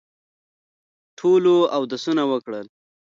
ټولو اودسونه وکړل.